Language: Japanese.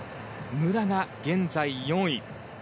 武良が現在４位。